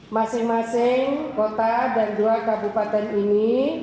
masing masing kota dan dua kabupaten ini